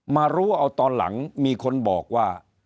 มารู้เอาตอนหลังมีคนบอกว่า